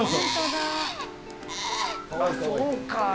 そうか。